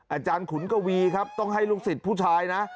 ขุนกวีครับต้องให้ลูกศิษย์ผู้ชายนะ